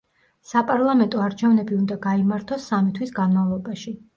საპარლამენტო არჩევნები უნდა გაიმართოს სამი თვის განმავლობაში.